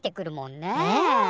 ねえ。